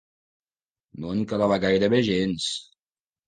No en quedava gairebé gens.